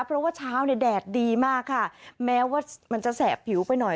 เพราะว่าเช้าเนี่ยแดดดีมากค่ะแม้ว่ามันจะแสบผิวไปหน่อย